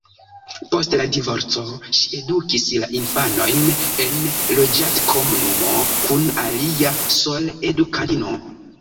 Post la divorco ŝi edukis la infanojn en loĝadkomunumo kun alia soleedukantino.